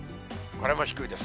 これも低いです。